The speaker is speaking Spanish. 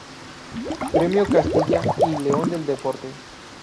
Premio Castilla y León del Deporte